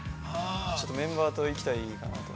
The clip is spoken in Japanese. ちょっとメンバーと行きたいかなと。